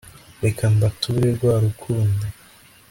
Reka mbature rwa rukondo